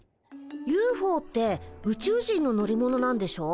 ＵＦＯってウチュウ人の乗り物なんでしょ？